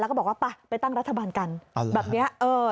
แล้วก็บอกว่าไปตั้งรัฐบาลกันแบบนี้